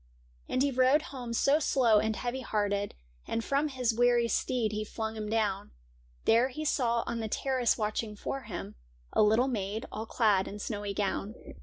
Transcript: And he rode home so slow and heavy hearted. And from his weary steed he flung him down ; There he saw on the terrace watching for him A little maid all clad in snowy gown.